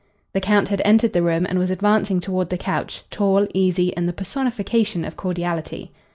The Count had entered the room and was advancing toward the couch, tall, easy and the personification of cordiality.